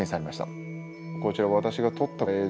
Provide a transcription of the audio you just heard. こちら私が撮った映像ですね。